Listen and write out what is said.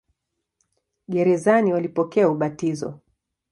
Gerezani walipokea ubatizo.